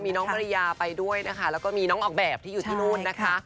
มีน้องภรรยาไปด้วยนะคะแล้วก็มีน้องออกแบบที่อยู่ที่นู่นนะคะ